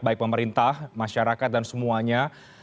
baik pemerintah masyarakat dan semuanya